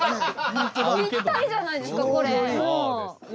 ぴったりじゃないですかこれ。ね